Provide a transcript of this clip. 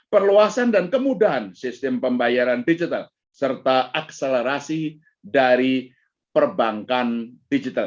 perluasan dan kemudahan sistem pembayaran digital serta akselerasi dari perbankan digital